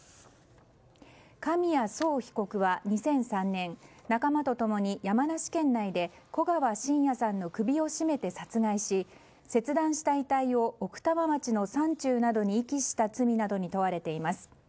紙谷惣被告は２００３年仲間と共に山梨県内で古川信也さんの首を絞めて殺害し切断した遺体を奥多摩町の山中などに遺棄した罪に問われています。